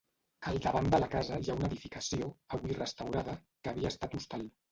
Al davant de la casa hi ha una edificació, avui restaurada, que havia estat hostal.